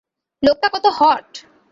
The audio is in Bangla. লোকটা কত হট!